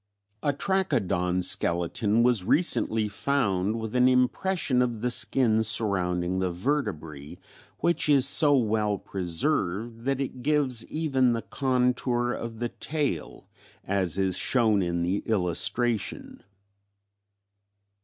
A Trachodon skeleton was recently found with an impression of the skin surrounding the vertebrae which is so well preserved that it gives even the contour of the tail as is shown in the illustration (fig.